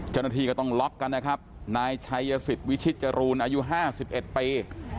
จนทีก็ต้องล็อกกันนะครับนายชายศิษฐ์วิชิตจรูนอายุห้าสิบเอ็ดปี